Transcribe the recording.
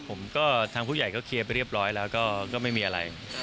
ทางผู้ใหญ่ก็เคลียร์ไปเรียบร้อยแล้วก็ไม่มีอะไร